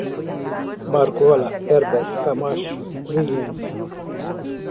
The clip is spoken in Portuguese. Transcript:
Marcola, Herbas, Camacho, Willians